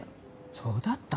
そうだったの。